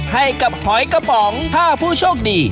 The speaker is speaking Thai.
ให้กับหอยกระป๋องผ้าผู้โชคดี